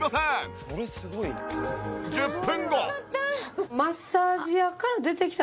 １０分後。